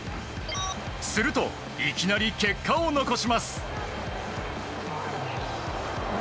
するといきなり結果を残します。